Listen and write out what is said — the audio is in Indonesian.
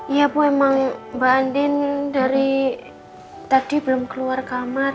iya bu emang mbak andin dari tadi belum keluar kamar